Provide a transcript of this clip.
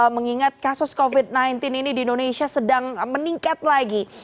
mengingat kasus covid sembilan belas ini di indonesia sedang meningkat lagi